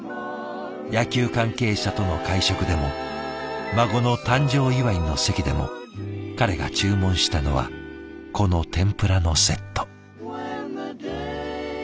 野球関係者との会食でも孫の誕生祝いの席でも彼が注文したのはこの天ぷらのセット。